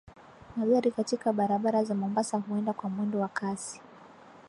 Magari katika barabara za Mombasa huenda kwa mwendo wa kasi.